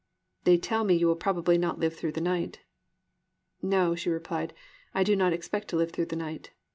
"They tell me you will probably not live through the night." "No," she replied, "I do not expect to live through the night."